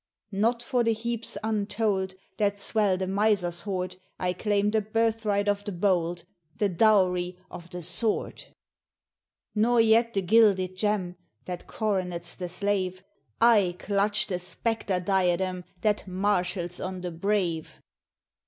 "Not for the heaps untold That swell the Miser's hoard, I claim the birthright of the bold, The dowry of the Sword "Nor yet the gilded gem That coronets the slave I clutch the spectre diadem That marshals on the brave.